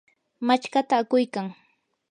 machkata akuykan.